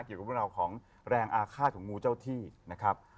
เกี่ยวกับเรื่องราวของแรงอาฆาตของงูเจ้าที่นะครับ